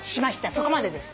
そこまでです。